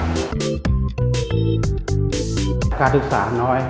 การศึกษาน้อย